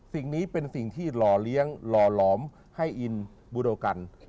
สิ่งนี้เป็นสิ่งที่หล่อเลี้ยงหล่อหลอมให้อินบูโดกัน